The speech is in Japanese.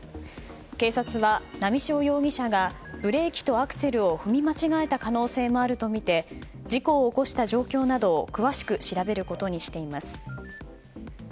警察は波汐容疑者がブレーキとアクセルを踏み間違えた可能性もあるとみて事故を起こした状況などを詳しく調べることにしています。